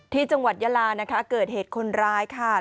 ที่จังหวัดยาลานะคะเกิดเหตุคนร้ายค่ะ